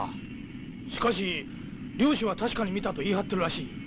しかし猟師は確かに見たと言い張ってるらしい。